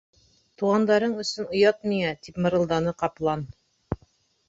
— Туғандарың өсөн оят миңә, — тип мырылданы ҡаплан.